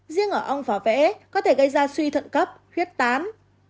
riêng ở ong và vẽ có thể gây ra suy thận cấp huyết tán